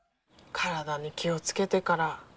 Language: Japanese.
体に気をつけてから。